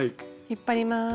引っ張ります。